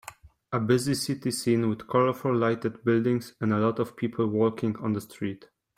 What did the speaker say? A busy city scene with colorful lighted buildings and a lot of people walking on the street.